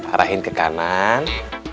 arahin ke kanan